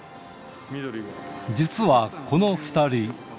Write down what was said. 実はこの２人。